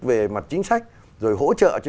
về mặt chính sách rồi hỗ trợ cho